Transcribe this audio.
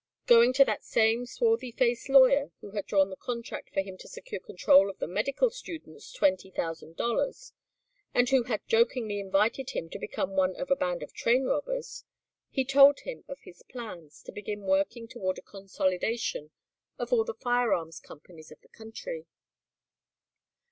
Going to that same swarthy faced lawyer who had drawn the contract for him to secure control of the medical student's twenty thousand dollars and who had jokingly invited him to become one of a band of train robbers, he told him of his plans to begin working toward a consolidation of all the firearms companies of the country.